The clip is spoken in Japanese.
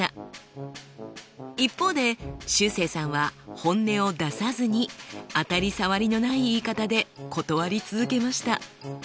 一方でしゅうせいさんは本音を出さずに当たり障りのない言い方で断り続けました。